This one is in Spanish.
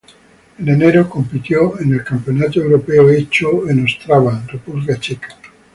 En enero, compitió en el Campeonato Europeo hecho en Ostrava, República Checa.